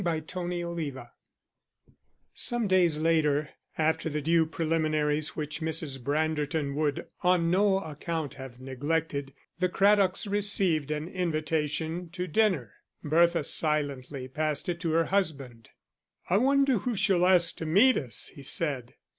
Chapter IX Some days later, after the due preliminaries which Mrs. Branderton would on no account have neglected, the Craddocks received an invitation to dinner. Bertha silently passed it to her husband. "I wonder who she'll ask to meet us," he said.